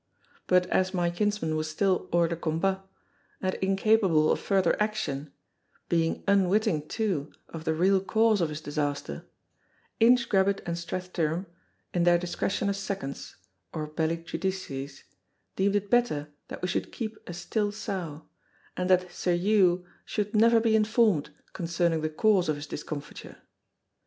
But as my kinsman was still hors de combat, and incapable of further action, being unwitting, too, of the real cause of his disaster, Inchgrabbit and Strathtyrum, in their discretion as seconds, or belli judices, deemed it better that we should keep a still sough, and that Sir Hew should never be informed concerning the cause of his discomfiture.